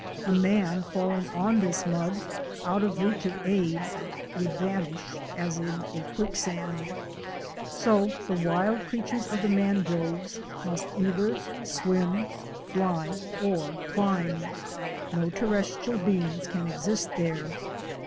A man falling on this mud, out of reach of aid, would vanish as in a quick sand. So the wild creatures of the Mangroves must either swim, fly, or climb. No terrestrial beings can exist there.